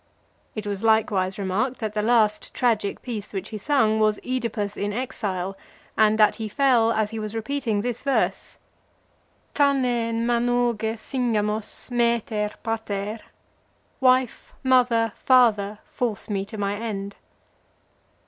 It was likewise remarked, that the last tragic piece which he sung, was Oedipus in Exile, and that he fell as he was repeating this verse: Thanein m' anoge syngamos, maetaer, pataer. Wife, mother, father, force me to my end.